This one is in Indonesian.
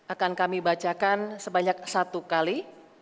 akan kami bacakan sebanyak satu kali